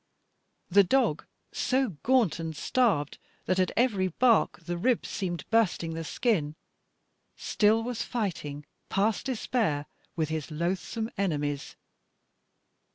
The dog so gaunt and starved, that at every bark the ribs seemed bursting the skin, still was fighting past despair with his loathsome enemies.